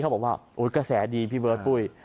บอกว่ากระแสดีพี่เบิร์ดปุ้ย